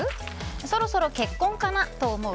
そろそろ結婚かなと思う？